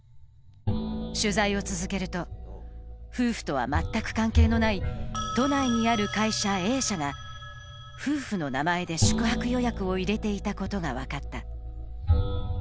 取材を続けると、夫婦とは全く関係のない都内にある会社Ａ社が夫婦の名前で宿泊予約を入れていたことが分かった。